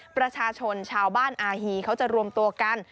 ประชาชนชาวบ้านอาฮีเขาจะรวมตัวกัน